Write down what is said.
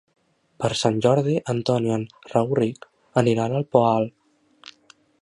Per Sant Jordi en Ton i en Rauric aniran al Poal.